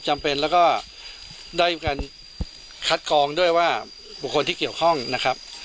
จำเป็นแล้วก็ได้มีการคัดกรองด้วยว่าบุคคลที่เกี่ยวข้องนะครับ